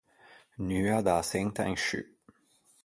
Nua da-a çenta in sciù.